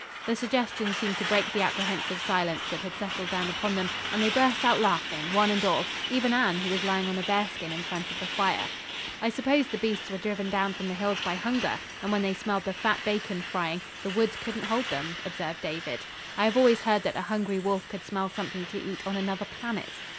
The suggestion seemed to break the apprehensive silence that had settled down upon them, and they burst out laughing, one and all; even Anne, who was lying on a bearskin in front of the fire. "I suppose the beasts were driven down from the hills by hunger, and when they smelled the fat bacon frying, the woods couldn't hold them," observed David. "I have always heard that a hungry wolf could smell something to eat on another planet."